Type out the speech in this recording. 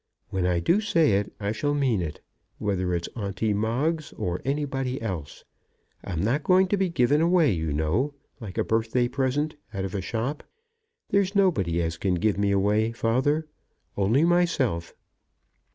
When I do say it I shall mean it, whether it's Onty Moggs or anybody else. I'm not going to be given away, you know, like a birthday present, out of a shop. There's nobody can give me away, father, only myself."